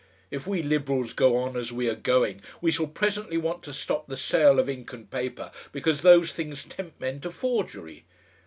If we Liberals go on as we are going, we shall presently want to stop the sale of ink and paper because those things tempt men to forgery.